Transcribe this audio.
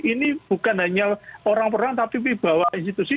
ini bukan hanya orang per orang tapi wibawa institusi